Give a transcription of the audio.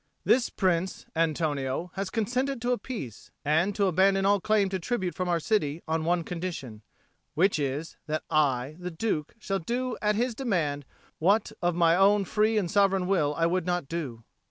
"This Prince, Antonio, has consented to a peace, and to abandon all claim to tribute from our city, on one condition; which is, that I, the Duke, shall do at his demand what of my own free and sovereign will I would not do."